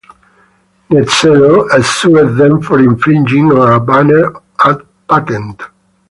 NetZero sued them for infringing on a banner ad patent.